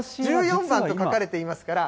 １４番と書かれていますから。